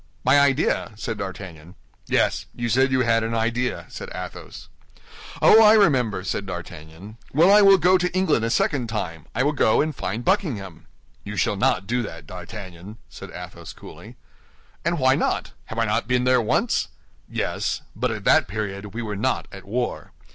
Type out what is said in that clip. "My idea?" said D'Artagnan. "Yes; you said you had an idea," said Athos. "Oh, I remember," said D'Artagnan. "Well, I will go to England a second time; I will go and find Buckingham." "You shall not do that, D'Artagnan," said Athos, coolly. "And why not? Have I not been there once?" "Yes; but at that period we were not at war.